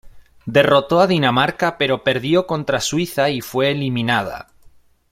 Derrotó a Dinamarca pero perdió contra Suiza y fue eliminada.